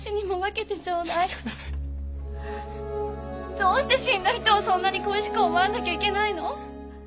どうして死んだ人をそんなに恋しく思わなきゃいけないの？